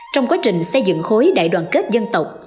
trong quá trình xây dựng khối đại đoàn kết dân tộc